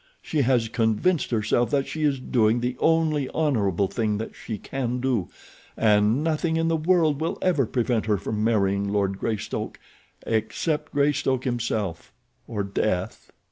She has convinced herself that she is doing the only honorable thing that she can do, and nothing in the world will ever prevent her from marrying Lord Greystoke except Greystoke himself, or death."